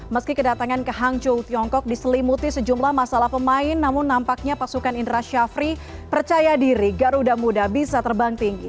meski kedatangan ke hangzhou tiongkok diselimuti sejumlah masalah pemain namun nampaknya pasukan indra syafri percaya diri garuda muda bisa terbang tinggi